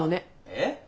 えっ？